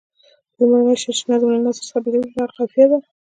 لومړنی شی چې نظم له نثر څخه بېلوي هغه قافیه ده.